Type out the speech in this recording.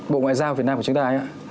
bộ ngoại giao việt nam của chúng ta ấy ạ